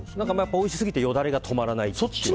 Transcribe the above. おいしすぎてよだれが止まらないっていう。